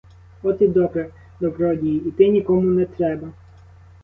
От і добре, добродії, іти нікому не треба.